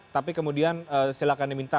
tapi kemudian silahkan diminta